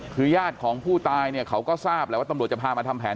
คือญาติของผู้ตายเนี่ยเขาก็ทราบแหละว่าตำรวจจะพามาทำแผน